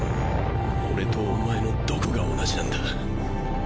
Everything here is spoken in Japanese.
俺とお前のどこが同じなんだ？